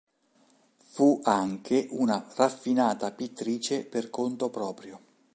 Fu anche una raffinata pittrice per conto proprio.